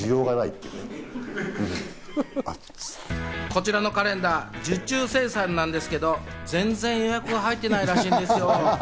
こちらのカレンダー、受注生産なんですけど、全然予約が入ってないらしいんですよ。